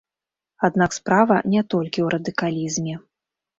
Аднак справа не толькі ў радыкалізме.